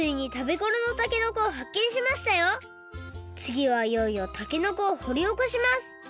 つぎはいよいよたけのこをほりおこします！